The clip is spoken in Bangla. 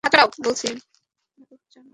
বলেছি, নতজানু হও!